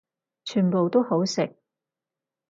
全部都好食